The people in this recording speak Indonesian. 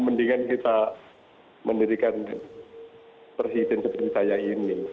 mendingan kita mendirikan presiden seperti saya ini